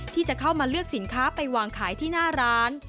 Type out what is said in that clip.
ที่จะเข้ามาเลือกสินค้าไปวางขายที่หน้าร้าน